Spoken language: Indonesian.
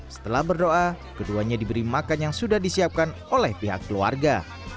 setelah berdoa keduanya diberi makan yang sudah disiapkan oleh pihak keluarga